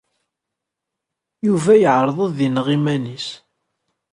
Yuba yeɛreḍ ad ineɣ iman-nnes.